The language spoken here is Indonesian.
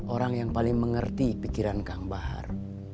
orang yang paling mengerti pikiran kang bahar